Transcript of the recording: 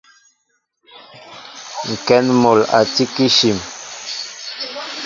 Ŋkɛn mol a tí kishin.